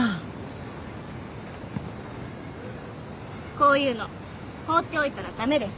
こういうの放っておいたら駄目です。